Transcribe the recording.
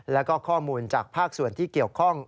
แล้วก็ข้อมูลจากภาคส่วนที่เกี่ยวข้อง